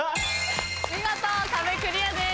見事壁クリアです。